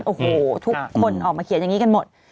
โอ้โหทุกคนออกมาเขียนอย่างนี้กันหมด